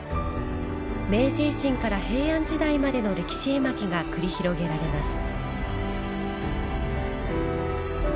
明治維新から平安時代までの歴史絵巻が繰り広げられます。